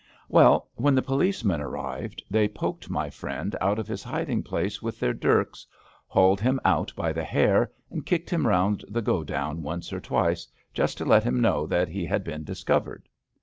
Well, when the police men arrived, they i)oked my friend out of his hid 28 ABAFT THE FUNNEL ing place with their dirks, hauled him out by the hair, and kicked him round the godown once or twice, just to let him know that he had been dis covered.